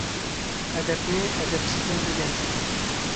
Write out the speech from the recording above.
ئەدەپنى ئەدەپسىزدىن ئۆگەن.